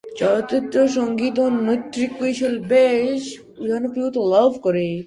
চলচ্চিত্রটির সঙ্গীত ও নৃত্য কৌশল বেশ জনপ্রিয়তা লাভ করে।